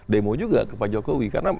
demo juga ke pak jokowi karena